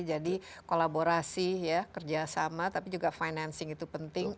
jadi kolaborasi ya kerjasama tapi juga financing itu penting